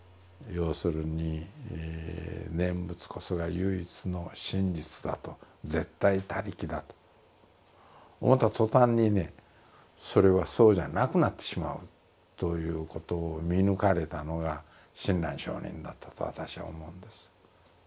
要するに念仏こそが唯一の真実だと絶対他力だと思ったとたんにねそれはそうじゃなくなってしまうということを見抜かれたのが親鸞聖人だったと私は思うんです。